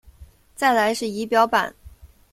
再来是仪表板